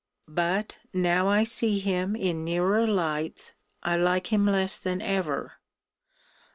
But, now I see him in nearer lights, I like him less than ever.